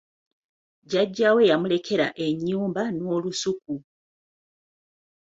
Jjjajja we yamulekera ennyumba n'olusuku.